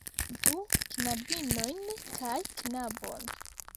Du knabinojn kaj knabon.